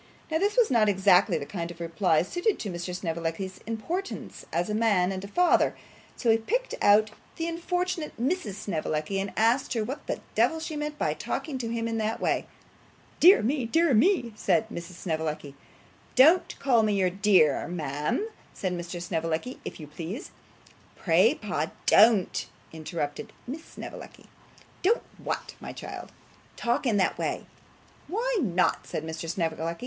Now this was not exactly the kind of reply suited to Mr. Snevellicci's importance as a man and a father, so he picked out the unfortunate Mrs Snevellicci, and asked her what the devil she meant by talking to him in that way. 'Dear me, my dear!' said Mrs. Snevellicci. 'Don't call me your dear, ma'am,' said Mr. Snevellicci, 'if you please.' 'Pray, pa, don't,' interposed Miss Snevellicci. 'Don't what, my child?' 'Talk in that way.' 'Why not?' said Mr. Snevellicci.